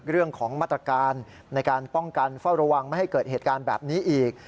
เรื่องของมาตรการในการป้องกันเฝ้าระวังไม่ให้เกิดเหตุการณ์แบบนี้อีก